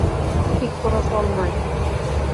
ঠিক কোনো ফল নয়।